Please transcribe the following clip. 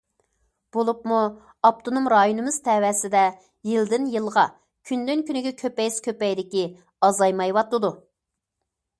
بولۇپمۇ ئاپتونوم رايونىمىز تەۋەسىدە يىلدىن- يىلغا، كۈندىن- كۈنگە كۆپەيسە كۆپەيدىكى ئازايمايۋاتىدۇ.